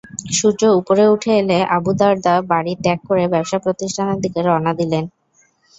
সূর্য উপরে উঠে এলে আবু দারদা বাড়ি ত্যাগ করে ব্যবসা প্রতিষ্ঠানের দিকে রওনা দিলেন।